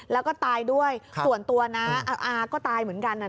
แล้วก็ตายด้วยส่วนตัวนะอาก็ตายเหมือนกัน